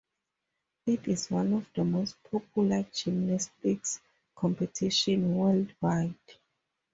Is it one of the most popular gymnastics competitions worldwide.